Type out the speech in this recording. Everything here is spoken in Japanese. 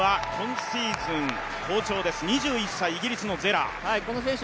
５レーンは今シーズン、好調です、２１歳、イギリスのゼラー。